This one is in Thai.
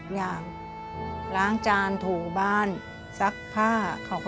ใครต้องอีกงานกับเขา